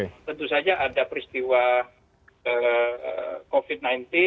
ya tentu saja ada peristiwa covid sembilan belas